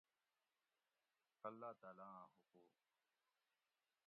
اللّہ تعالٰی آں حقوق